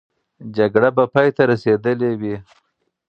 جګړه به پای ته رسېدلې وي.